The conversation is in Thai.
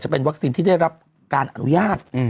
เป็นวัคซีนที่ได้รับการอนุญาต